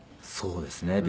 そうですね。